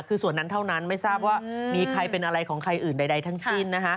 คือส่วนนั้นเท่านั้นไม่ทราบว่ามีใครเป็นอะไรของใครอื่นใดทั้งสิ้น